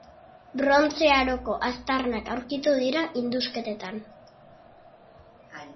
Brontze Aroko aztarnak aurkitu dira indusketetan.